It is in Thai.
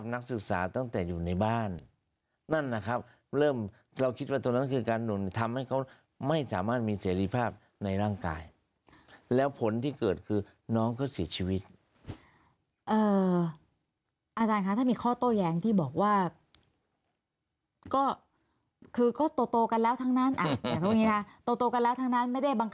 ตกลงยึดเอาตามนาฬิกานี่